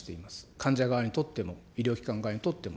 患者側にとっても、医療機関側にとっても。